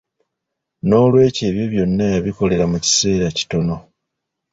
N'olw'ekyo ebyo byonna, yabikolera mu kiseera kitono.